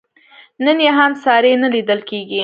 نن یې هم ساری نه لیدل کېږي.